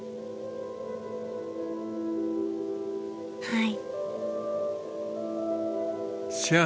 はい。